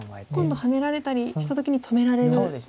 今度ハネられたりした時に止められるところに。